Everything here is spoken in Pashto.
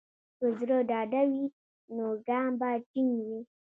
که زړه ډاډه وي، نو ګام به ټینګ وي.